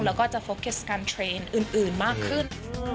แล้วก็จะโฟกัสกันเทรนด์อื่นมากขึ้น